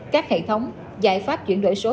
các hệ thống giải pháp chuyển đổi số